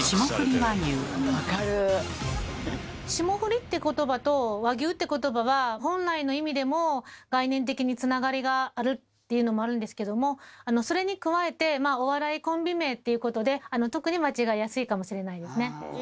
「霜降り」って言葉と「和牛」って言葉は本来の意味でも概念的につながりがあるっていうのもあるんですけどもそれに加えてお笑いコンビ名っていうことで特に間違いやすいかもしれないですね。